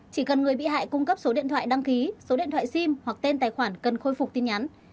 chỉ cần người bị hại cung cấp số điện thoại đăng ký số điện thoại sim hoặc tên tài khoản cần khôi phục tin nhắn